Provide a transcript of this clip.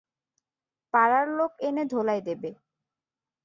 পাড়ার লোক এনে ধোলাই দেবে।